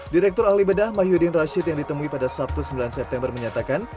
direktur alibadah mahyudin rashid yang ditemui pada sabtu sembilan september menyatakan